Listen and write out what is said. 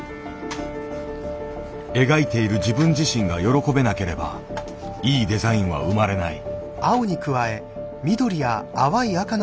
描いている自分自身が喜べなければいいデザインは生まれない。